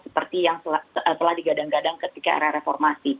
seperti yang telah digadang gadang ketika era reformasi